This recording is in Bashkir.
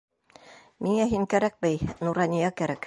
Миңә һин кәрәкмәй, Нурания кәрәк.